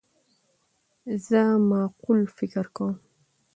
زه معقول فکر کوم.